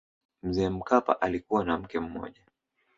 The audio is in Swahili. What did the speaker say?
mzee mkapa alikuwa na mke mmoja